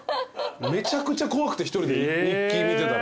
めちゃくちゃ怖くて１人で日記見てたら。